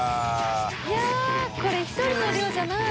Δ錙舛叩これ１人の量じゃない！